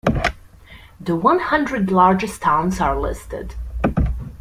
The one hundred largest towns are listed.